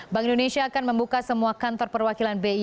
bank indonesia akan membuka semua kantor perwakilan bi